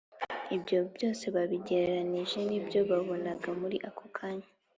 ibyo byose babigereranije n’ibyo babonaga muri ako kanya